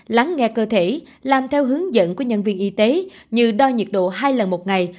lắng nghe cơ thể làm theo hướng dẫn của nhân viên y tế như đo nhiệt độ hai lần một ngày